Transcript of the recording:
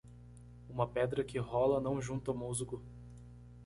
Uma pedra que rola não junta musgo